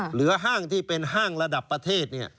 ห้างที่เป็นห้างระดับประเทศ